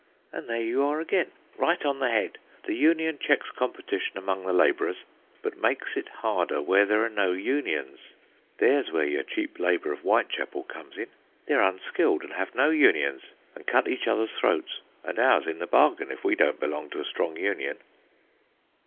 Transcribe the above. "And there you are again, right on the head. The union checks competition among the labourers, but makes it harder where there are no unions. There's where your cheap labour of Whitechapel comes in. They're unskilled, and have no unions, and cut each other's throats, and ours in the bargain, if we don't belong to a strong union."